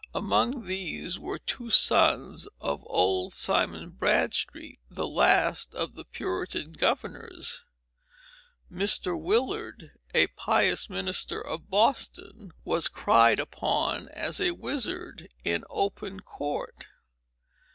Among these were two sons of old Simon Bradstreet, the last of the Puritan governors. Mr. Willard, a pious minister of Boston, was cried out upon as a wizard, in open court.